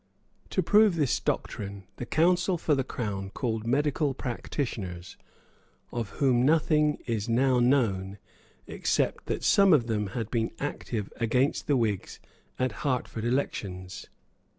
To prove this doctrine the counsel for the Crown called medical practitioners, of whom nothing is now known except that some of them had been active against the Whigs at Hertford elections.